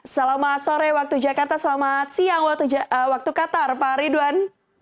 selamat sore waktu jakarta selamat siang waktu qatar pak ridwan